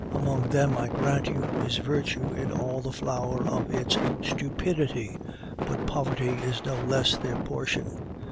Among them, I grant you, is virtue in all the flower of its stupidity, but poverty is no less their portion.